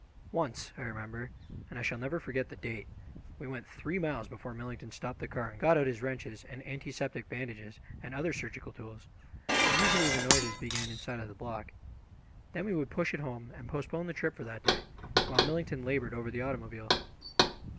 Once, I remember, and I shall never forget the date, we went three miles before Millington stopped the car and got out his wrenches and antiseptic bandages and other surgical tools; but usually the noises began inside of the block. Then we would push it home, and postpone the trip for that day, while Millington laboured over the automobile.